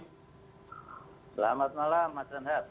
selamat malam mas denhad